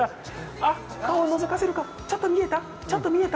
あ、顔をのぞかせるか、ちょっと見えた？